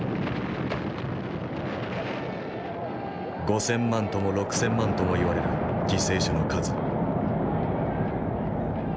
５，０００万とも６，０００万ともいわれる犠牲者の数。